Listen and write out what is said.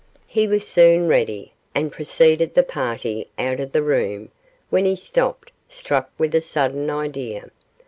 He was soon ready, and preceded the party out of the room, when he stopped, struck with a sudden idea.